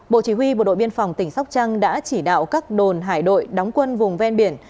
bộ chỉ huy bộ đội biên phòng tỉnh sóc trăng đã chỉ đạo các đồn hải đội đóng quân vùng ven biển